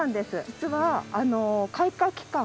実は開花期間